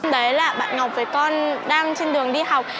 đấy là bạn ngọc với con đang trên đường đi học